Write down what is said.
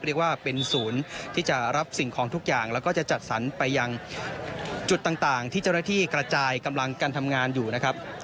เรียกว่าเป็นศูนย์ที่จะรับสิ่งของทุกอย่างแล้วก็จะจัดสรรไปยังจุดต่างที่เจ้าหน้าที่กระจายกำลังกันทำงานอยู่นะครับ